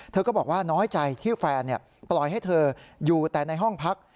เธอก็บอกว่าน้อยใจที่แฟนปล่อยให้เธออยู่แต่ในห้องพัก